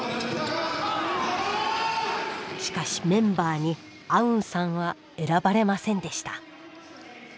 しかしメンバーにアウンさんは選ばれませんでした。